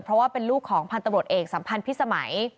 เพราะว่าเป็นลูกของพันธบรวจเอกสัมพันธ์พิษสมัย